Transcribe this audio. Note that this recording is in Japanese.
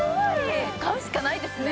買うしかないですね。